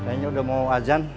saya ini udah mau ajan